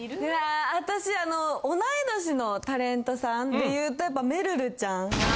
私あの同い年のタレントさんでいうとやっぱめるるちゃん。